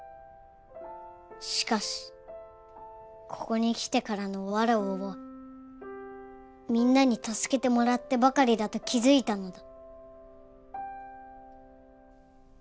しかしここに来てからのわらわはみんなに助けてもらってばかりだと気づいたのだ。